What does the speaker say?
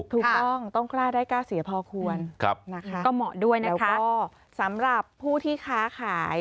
ถูกต้องต้องกล้าได้กล้าเสียพอควรนะคะแล้วก็สำหรับผู้ที่ค้าขาย